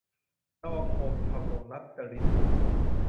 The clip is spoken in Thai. นวพล ธำรงรัตนฤทธิ์